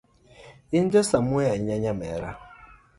In ja samuoyo ahinya nyamera.